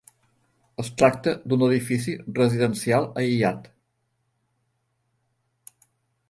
Es tracta d'un edifici residencial aïllat.